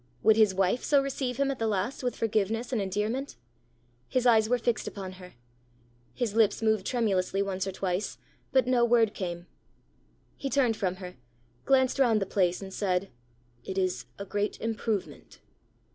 Would his wife so receive him at the last with forgiveness and endearment? His eyes were fixed upon her. His lips moved tremulously once or twice, but no word came. He turned from her, glanced round the place, and said, "It is a great improvement!"